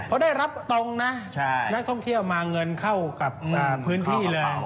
พอได้รับตรงนะนักท่องเที่ยวมาเงินเข้ากับพื้นที่เลย